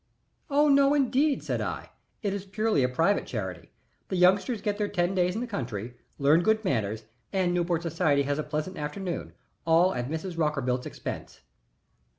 "Oh no, indeed," said I. "It is purely a private charity. The youngsters get their ten days in the country, learn good manners, and Newport society has a pleasant afternoon all at Mrs. Rockerbilt's expense."